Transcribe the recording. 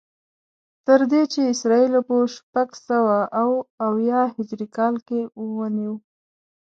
تر دې چې اسرائیلو په شپږسوه او اویا هجري کال کې ونیو.